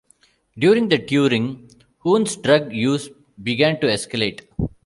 During the touring, Hoon's drug use began to escalate.